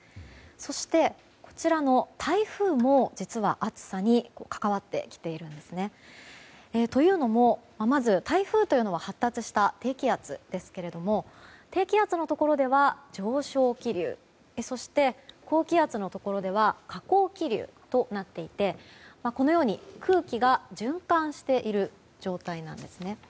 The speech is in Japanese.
そして、こちらの台風も実は暑さに関わってきているんですね。というのも、まず台風というのは発達した低気圧ですけれども低気圧のところでは上昇気流そして、高気圧のところでは下降気流となっていてこのように空気が循環している状態なんですね。